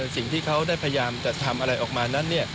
สิ่งที่เขาได้พยายามจะทำอะไรออกมานั้น